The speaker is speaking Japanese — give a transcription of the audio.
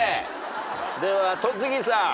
では戸次さん。